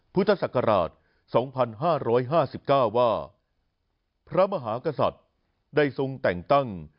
พุทธศักราช๒๕๕๙ว่าพระมหากษัตริย์ได้ทรงแต่งตั้ง